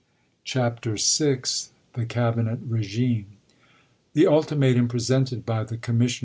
CHAPTER VI THE CABINET REGIME THE ultimatum presented by the commission chap.